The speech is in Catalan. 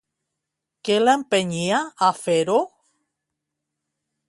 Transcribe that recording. Què l'empenyia a fer-ho?